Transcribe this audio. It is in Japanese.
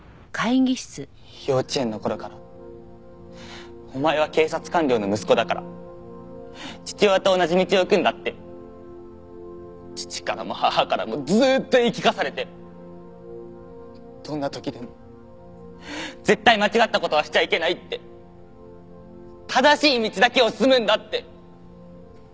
幼稚園の頃からお前は警察官僚の息子だから父親と同じ道を行くんだって父からも母からもずーっと言い聞かされてどんな時でも絶対間違った事はしちゃいけないって正しい道だけを進むんだって。